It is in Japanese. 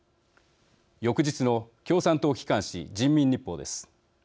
翌日の共産党機関紙人民日報です。